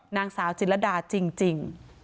นางสาวจิลดาจริง